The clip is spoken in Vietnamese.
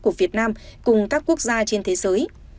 của việt nam cùng các quốc gia trên thế giới